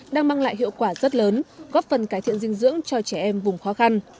đang mang lại hiệu quả rất lớn góp phần cải thiện dinh dưỡng cho trẻ em vùng khó khăn